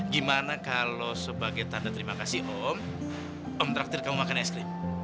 gimana kalau sebagai tanda terima kasih om om terakhir kamu makan es krim